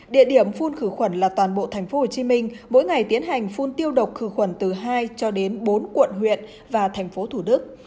địa điểm phun khử quần là toàn bộ tp hcm mỗi ngày tiến hành phun tiêu độc khử quần từ hai cho đến bốn quận huyện và tp thủ đức